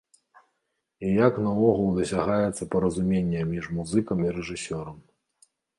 І як наогул дасягаецца паразуменне між музыкам і рэжысёрам?